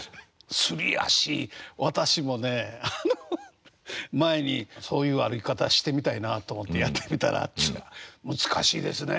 すり足私もねあの前にそういう歩き方してみたいなと思ってやってみたら難しいですね。